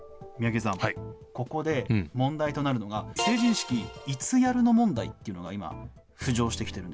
三宅さん、ここで問題となるのが、成人式、いつやるの問題というのが今、浮上してき